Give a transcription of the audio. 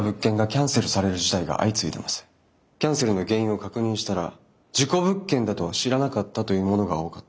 キャンセルの原因を確認したら「事故物件だとは知らなかった」というものが多かった。